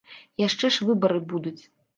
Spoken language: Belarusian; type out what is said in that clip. Яшчэ ж выбары будуць.